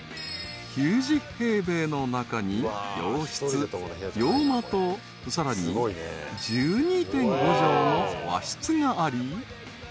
［９０平米の中に洋室洋間とさらに１２．５畳の和室があり］